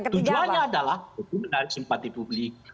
tujuannya adalah untuk menarik simpati publik